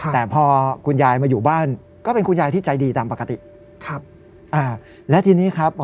แต่พอคุณยายมาอยู่บ้านก็เป็นคุณยายที่ใจดีตามปกติ